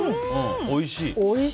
おいしい。